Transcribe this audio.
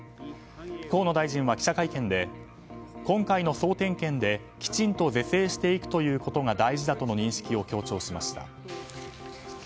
河野大臣は記者会見で今回の総点検できちんと是正していくということが大事だということの認識を強調しました。